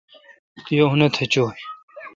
یہ او نتھ چوی۔